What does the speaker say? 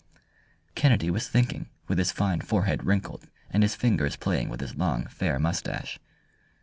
Kennedy was thinking with his fine forehead wrinkled and his fingers playing with his long, fair moustache.